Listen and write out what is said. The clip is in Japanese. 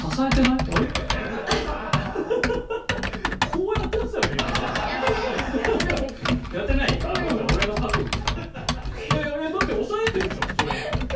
いやいやだって押さえてるじゃんそれは。